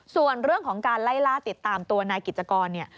ส่วนเรื่องของการไล่ล่าติดตามตัวนายกิจกรเนี่ย